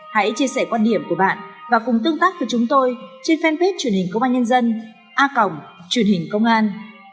hãy chia sẻ quan điểm của bạn và cùng tương tác với chúng tôi trên fanpage truyền hình công an nhân dân a cổng truyền hình công an